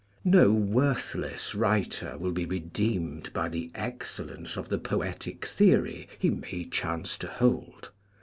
No worthless writer will be redeemed by the excel lence of the poetic theory he may chance to hold.